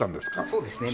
そうですね